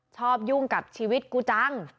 ยุ่งกับชีวิตกูจัง